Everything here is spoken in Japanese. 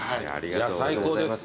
最高です。